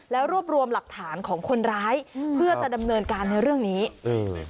แล้วรวบรวมหลักฐานของคนร้ายอืมเพื่อจะดำเนินการในเรื่องนี้เออ